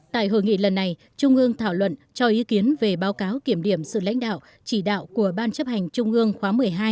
tại hội nghị lần này trung ương thảo luận cho ý kiến về báo cáo kiểm điểm sự lãnh đạo chỉ đạo của ban chấp hành trung ương khóa một mươi hai